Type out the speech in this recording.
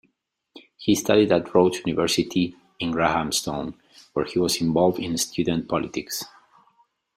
He studied at Rhodes University in Grahamstown, where he was involved in student politics.